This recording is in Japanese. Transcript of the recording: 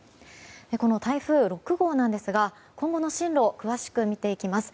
この台風６号なんですが今後の進路詳しく見ていきます。